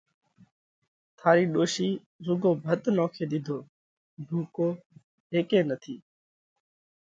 ٿارِي ڏوشِي رُوڳو ڀت نوکي ۮِيڌوه۔ ڀُوڪو هيڪ ئي نٿِي۔”